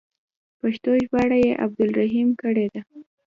پښتو ژباړه یې عبدالرحیم کړې ده.